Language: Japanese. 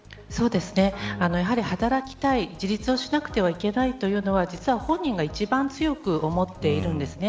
やはり、働きたい自立をしなくてはいけないというのは実は本人が一番強く思っているんです。